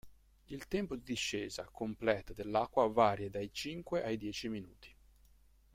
Il tempo di "discesa" completa dell'acqua varia dai cinque ai dieci minuti.